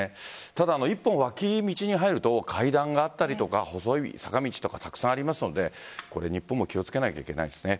ただ一本、脇道に入ると階段があったりとか細い坂道とかたくさんありますので日本も気を付けないといけないですね。